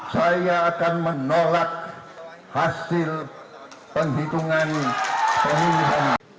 saya akan menolak hasil penghitungan pemilihan